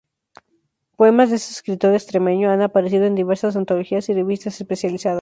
Poemas de este escritor extremeño han aparecido en diversas antologías y revistas especializadas.